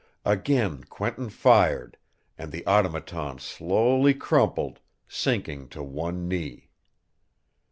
Again Quentin fired, and the Automaton slowly crumpled, sinking to one knee.